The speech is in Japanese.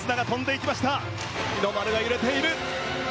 日の丸が揺れている。